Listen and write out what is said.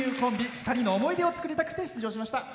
２人の思い出を作りたくて出場しました。